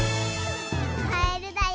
カエルだよ。